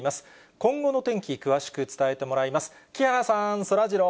今後の天気、詳しく伝えてもらいます。